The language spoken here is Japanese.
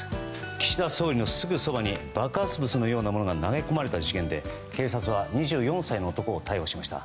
岸田総理のすぐそばに爆発物のようなものが投げ込まれた事件で、警察は２４歳の男を逮捕しました。